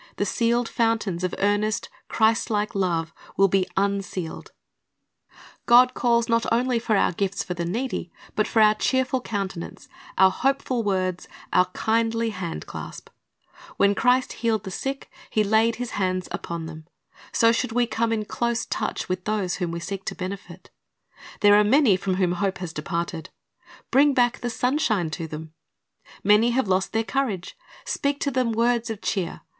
The sealed fountains of earnest, Christlike love will be unsealed. 27 1 Acts 10:38 2Luke4:i8, 19 3 Matt. 5 : ij, i6 ■•Isa. 58:7, 8 41 8 Christ's Object Lessons God calls not only for our gifts for the needy, but for our cheerful countenance, our hopeful words, our kindly hand clasp. When Christ healed the sick, He laid His hands upon them. So should we come in close touch with those whom we seek to benefit. There are many from whom hope has departed. Bring back the sunshine to them. Many have lost their courage. Speak to them words of cheer.